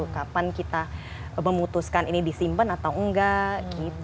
kapan kita memutuskan ini disimpan atau enggak gitu